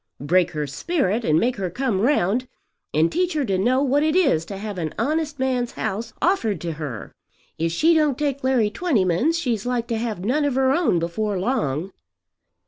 Break her spirit, and make her come round, and teach her to know what it is to have an honest man's house offered to her. If she don't take Larry Twentyman's she's like to have none of her own before long."